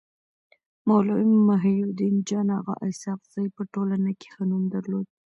مولوي محي الدين جان اغا اسحق زي په ټولنه کي ښه نوم درلود.